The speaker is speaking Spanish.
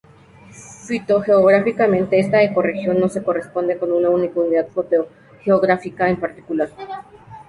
Fitogeográficamente, esta ecorregión no se corresponde con una única unidad fitogeográfica en particular.